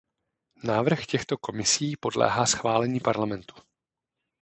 Návrh těchto komisí podléhá schválení parlamentu.